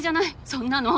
そんなの。